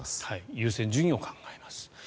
優先順位を考えます。